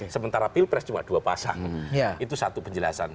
sementara pilpres cuma dua pasang itu satu penjelasan